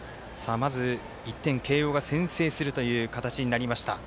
まず、１点、慶応が先制するという形になりました。